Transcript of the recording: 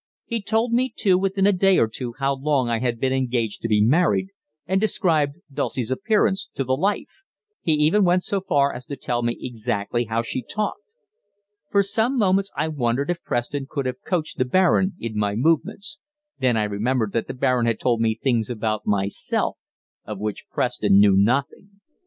He told me to within a day or two how long I had been engaged to be married, and described Dulcie's appearance to the life; he even went so far as to tell me exactly how she talked. For some moments I wondered if Preston could have coached the Baron in my movements; then I remembered that the Baron had told me things about myself of which Preston knew nothing.